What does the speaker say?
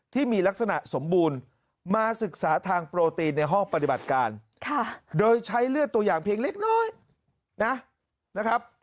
ที่มีลักษณะสมบูรณ์มาศึกษาทางโปรตีนในห้องปฏิบัติการโดยใช้เลือดตัวอย่างเพียงเล็กน้อยนะครับ